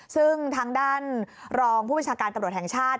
ซึ่งทางด้านรองผู้บัญชาการตำรวจแห่งชาติ